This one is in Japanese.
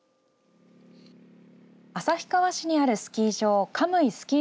旭川市にあるスキー場カムイスキー